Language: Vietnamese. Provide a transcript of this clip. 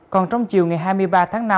còn trong chiều ngày hai mươi ba tháng năm